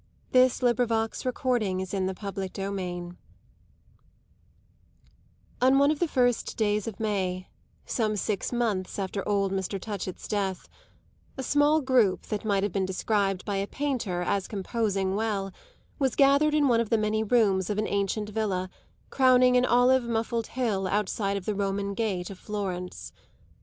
That alone was grateful to her pride. CHAPTER XXII On one of the first days of May, some six months after old Mr. Touchett's death, a small group that might have been described by a painter as composing well was gathered in one of the many rooms of an ancient villa crowning an olive muffled hill outside of the Roman gate of Florence.